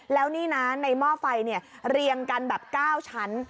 แล้วนี่นะในหม้อไฟเรียงกันแบบ๙ชั้น